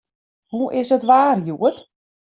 Hoe is it waar hjoed?